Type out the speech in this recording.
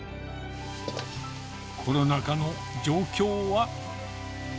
コロナ禍の状況は。